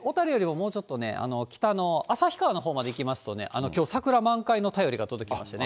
小樽よりももうちょっと北の旭川のほうまで行きますとね、きょう、桜満開の便りが届きましたね。